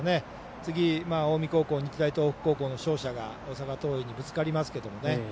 次、近江高校と日大東北の勝者が大阪桐蔭にぶつかりますけどね。